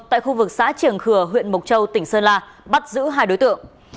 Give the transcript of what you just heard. tại khu vực xã triềng khừa huyện mộc châu tỉnh sơn la bắt giữ hai đối tượng